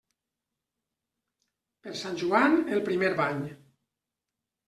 Per Sant Joan, el primer bany.